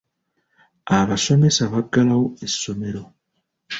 Abasomesa baggalawo essomero.